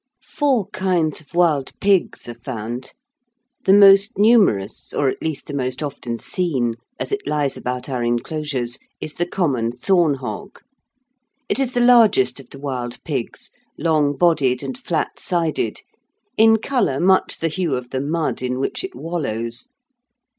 Four kinds of wild pigs are found. The most numerous, or at least the most often seen, as it lies about our enclosures, is the common thorn hog. It is the largest of the wild pigs, long bodied and flat sided, in colour much the hue of the mud in which it wallows.